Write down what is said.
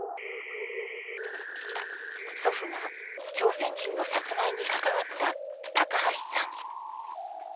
祖父が朝鮮人の殺害に関わった高橋さん。